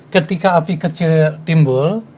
ketika api kecil timbul